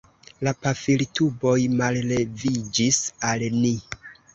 La pafiltuboj malleviĝis al ni.